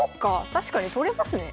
確かに取れますね。